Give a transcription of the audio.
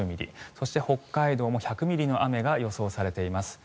そして北海道も１００ミリの雨が予想されています。